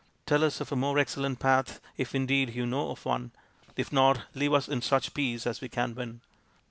Tell us of a more excellent path if indeed you know of one. If not, leave us in such peace as we can win."